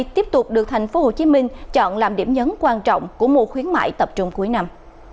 tiếp tục được tp hcm chọn làm điểm nhấn quan trọng của mùa khuyến mại tập trung cuối năm